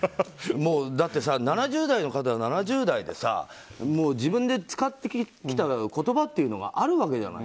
だって７０代の方は７０代で自分で使ってきた言葉っていうのがあるわけないじゃない。